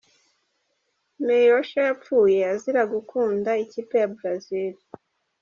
Maiocha yapfuye azize gukunda ikipe ya Brazil .